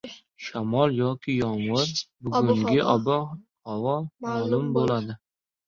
Shamol yoki yomg‘ir: bugungi ob-havo ma’lum bo‘ldi